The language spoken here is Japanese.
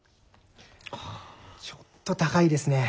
ちょっと高いですね。